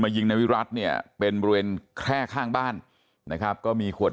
ยิงนายวิรัติเนี่ยเป็นบริเวณแคร่ข้างบ้านนะครับก็มีขวด